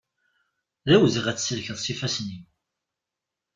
D awezɣi ad tselkeḍ seg ifassen-iw.